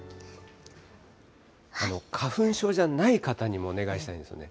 花粉症じゃない方にもお願いしたいんですよね。